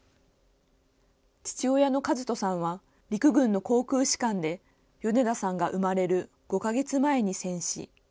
父親の主登さんは空軍の航空士官で米田さんが生まれる５か月前に戦死。